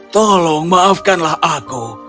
tolong maafkanlah aku